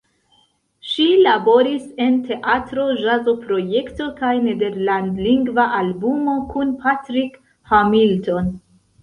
Ŝi laboris en teatro-ĵazoprojekto kaj nederlandlingva albumo kun Patrick Hamilton.